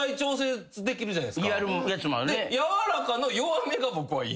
やわらかの弱めが僕はいいんです。